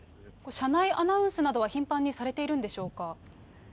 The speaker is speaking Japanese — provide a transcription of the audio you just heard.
車内アナウンスなどは頻繁にされているんでしょうか。